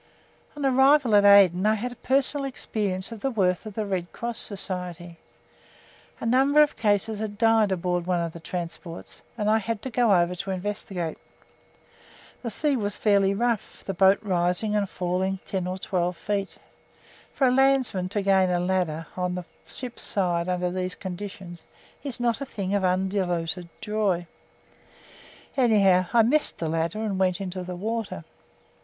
On arrival at Aden I had personal experience of the worth of the Red Cross Society. A number of cases had died aboard one of the transports, and I had to go over to investigate. The sea was fairly rough, the boat rising and falling ten or twelve feet. For a landsman to gain a ladder on a ship's side under these conditions is not a thing of undiluted joy. Anyhow I missed the ladder and went into the water.